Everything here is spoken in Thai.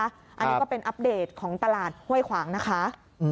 อันนี้ก็เป็นอัปเดตของตลาดห้วยขวางนะคะ